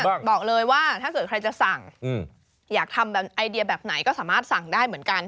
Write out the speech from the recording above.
บอกเลยว่าถ้าเกิดใครจะสั่งอยากทำแบบไอเดียแบบไหนก็สามารถสั่งได้เหมือนกัน